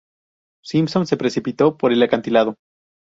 Simpson se precipitó por el acantilado.